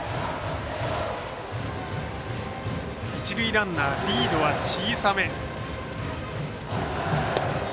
一塁ランナーリードは小さめ。